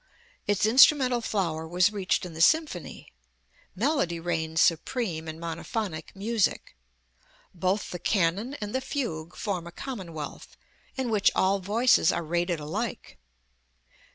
Its instrumental flower was reached in the symphony. Melody reigns supreme in monophonic music. Both the canon and the fugue form a commonwealth, in which all voices are rated alike.